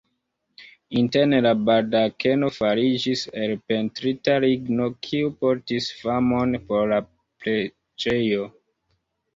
Interne la baldakeno fariĝis el pentrita ligno, kiu portis famon por la preĝejo.